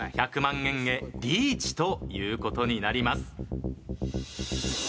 １００万円へリーチという事になります。